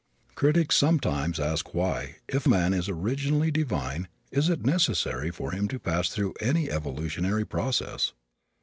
Critics sometimes ask why, if man is originally divine, it is necessary for him to pass through any evolutionary process.